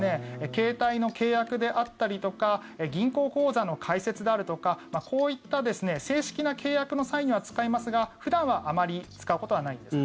携帯の契約であったりとか銀行口座の開設であるとかこういった正式な契約の際には使いますが普段はあまり使うことはないです。